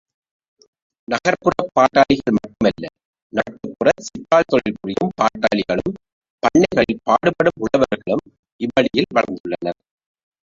நகர்ப்புறப் பாட்டாளிகள் மட்டுமல்ல நாட்டுப்புற, சிற்றாள் தொழில் புரியும் பாட்டாளிகளும், பண்ணைகளில் பாடுபடும் உழவர்களும் இவ்வழியில் வளர்ந்துள்ளனர்.